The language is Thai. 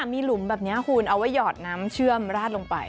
มีหลุมแบบนี้คุณเอาไว้หยอดน้ำเชื่อมราดลงไป